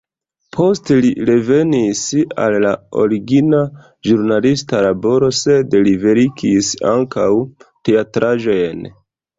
Poste li revenis al la origina ĵurnalista laboro, sed li verkis ankaŭ teatraĵojn.